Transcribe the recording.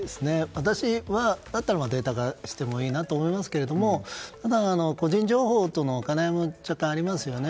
私だったらデータベース化してもいいなと思いますがただ、個人情報との兼ね合いも若干ありますよね。